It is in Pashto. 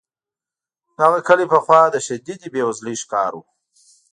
دغه کلی پخوا د شدیدې بې وزلۍ ښکار و.